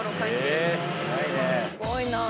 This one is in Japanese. すごいなあ。